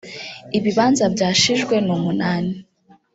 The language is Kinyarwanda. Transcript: Ibibanza byashijwe ni umunani